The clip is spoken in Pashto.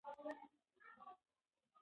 کله چې زه په کلي کې وم نو کباب مې خوښاوه.